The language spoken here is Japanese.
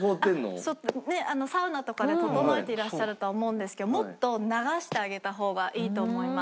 そうサウナとかで整えていらっしゃるとは思うんですけどもっと流してあげた方がいいと思います。